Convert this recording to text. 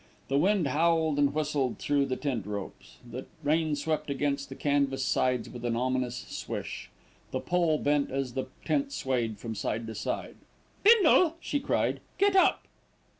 The wind howled and whistled through the tent ropes, the rain swept against the canvas sides with an ominous "swish," the pole bent as the tent swayed from side to side. "Bindle," she cried, "get up!"